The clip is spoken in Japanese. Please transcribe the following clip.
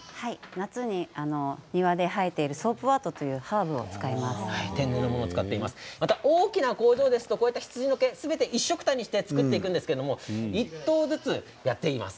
夏に庭で生えているソープワートという大きな工場ですとこうした羊のでいっしょくたにして作っていくんですが１頭ずつやっていきます。